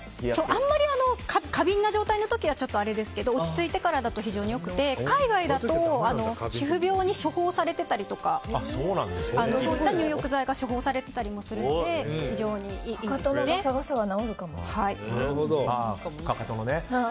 あんまり過敏な状態だと良くないですけど落ち着いてからだと非常に良くて海外だと皮膚病にそういった入浴剤が処方されてたりするので非常にいいですね。